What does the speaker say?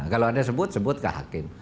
kalau anda sebut sebut ke hakim